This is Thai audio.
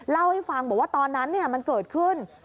เล่าให้ฟังบอกว่าตอนนั้นมันเกิดขึ้น